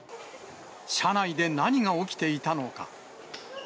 車内で何が起きていたのか。